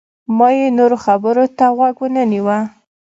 ما یې نورو خبرو ته غوږ ونه نیوه.